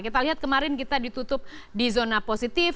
kita lihat kemarin kita ditutup di zona positif